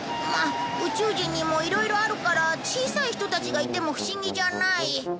まあ宇宙人にもいろいろあるから小さい人たちがいても不思議じゃない。